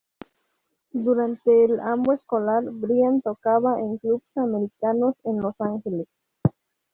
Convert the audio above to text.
Durante el año escolar, Brian tocaba en clubs nocturnos en Los Angeles.